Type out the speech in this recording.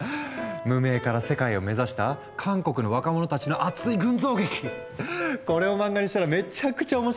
無名から世界を目指した韓国の若者たちの熱い群像劇これを漫画にしたらめちゃくちゃ面白そうじゃないですか？